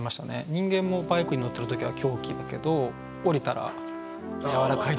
人間もバイクに乗ってる時は凶器だけどおりたら柔らかいですよね。